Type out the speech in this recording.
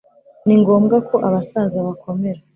ni ngombwa ko abasaza bakomera